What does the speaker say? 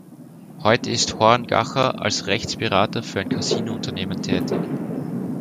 Heute ist Horngacher als Rechtsberater für ein Casino-Unternehmen tätig.